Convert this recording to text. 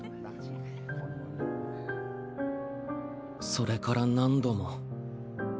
それから何度も。